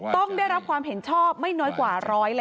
ต้องได้รับความเห็นชอบไม่น้อยกว่า๑๗